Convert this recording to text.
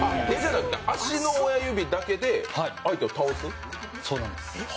足の親指だけで相手を倒す？